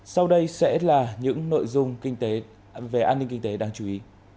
sau đây sẽ là những nội dung về an ninh kinh tế đáng chú ý